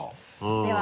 では。